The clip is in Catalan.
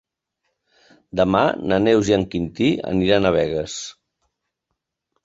Demà na Neus i en Quintí aniran a Begues.